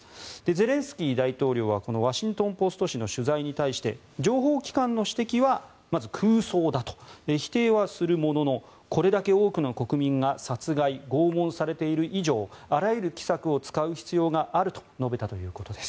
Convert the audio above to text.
ゼレンスキー大統領はこのワシントン・ポスト紙の取材に対して情報機関の指摘はまず、空想だと否定はするもののこれだけ多くの国民が殺害・拷問されている以上あらゆる奇策を使う必要があると述べたということです。